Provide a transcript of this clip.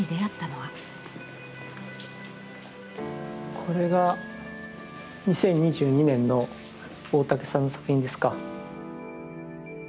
これが２０２２年の大竹さんの作品ですか。